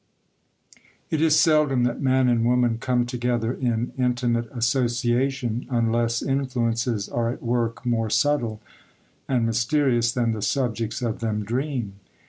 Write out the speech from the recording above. IT is seldom that man and woman come together in intimate association, unless influences are at work more subtle and mysterious than the subjects of them dream.